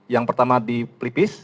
yang pertama di pelipis